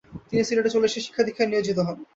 তিনি সিলেটে চলে এসে শিক্ষাদীক্ষায় নিয়োজিত হন।